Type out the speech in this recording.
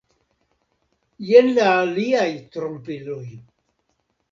Jen la aliaj trompiloj.